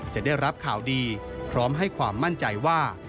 จะได้รับข่าวดีพร้อมให้ความมั่นใจว่า